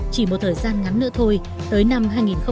chỉ một thời gian ngắn nữa thôi tới năm hai nghìn hai mươi